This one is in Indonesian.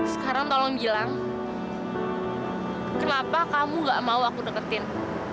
sekarang tolong bilang kenapa kamu gak mau aku deketin